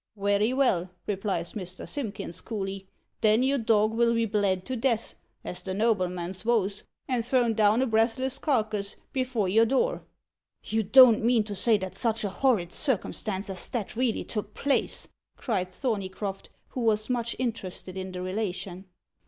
'Werry vell,' replies Mr. Simpkins coolly, 'then your dog'll be bled to death, as the nobleman's wos, and thrown down a breathless carkis afore your door.'" "You don't mean to say that such a horrid circumstance as that really took place?" cried Thorneycroft, who was much interested in the relation.